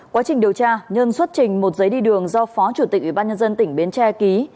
quá trình điều tra nhân xuất trình một giấy đi đường do phó chủ tịch ủy ban nhân dân tỉnh bến tre ký